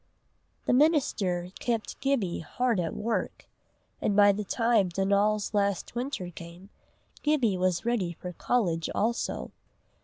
The minister kept Gibbie hard at work, and by the time Donal's last winter came, Gibbie was ready for college also.